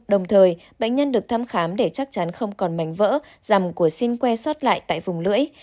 đồng thời bệnh nhân được thăm khám để chắc chắn không còn mảnh vỡ dằm của xin que xót lại tại vùng lưỡi